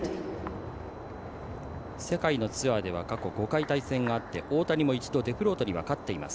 世界のツアーでは過去５回、対戦があって大谷も一度デフロートには勝っています。